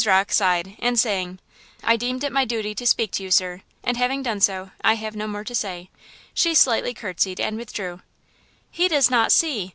Rocke sighed, and, saying, "I deemed it my duty to speak to you, sir, and having done so, I have no more to say," she slightly curtsied and withdrew. "He does not see!